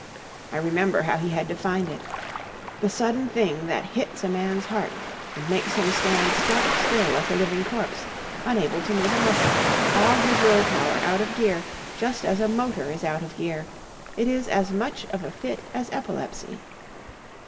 I remember how he had defined it: "the sudden thing that hits a man's heart and makes him stand stock still like a living corpse unable to move a muscle all his will power out of gear just as a motor is out of gear.... It is as much of a fit as epilepsy."